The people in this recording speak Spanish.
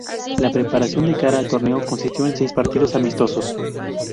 La preparación de cara al torneo consistió en seis partidos amistosos.